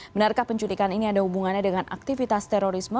benarkah penculikan ini ada hubungannya dengan aktivitas terorisme